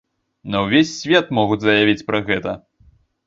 На ўвесь свет могуць заявіць пра гэта.